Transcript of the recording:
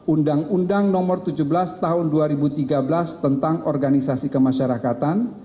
undang undang nomor tujuh belas tahun dua ribu tiga belas tentang organisasi kemasyarakatan